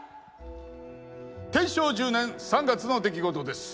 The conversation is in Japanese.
天正１０年３月の出来事です。